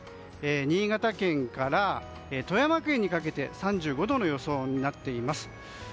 新潟県から富山県にかけて３５度の予想になっています。